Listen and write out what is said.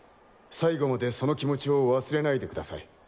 最後までその気持ちを忘れないでください。